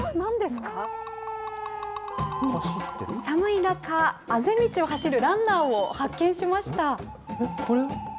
寒い中、あぜ道を走るランナーを発見しました。